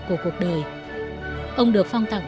của cuộc đời ông được phong tặng